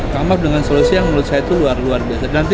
comemar dengan solusi yang menurut saya itu luar luar biasa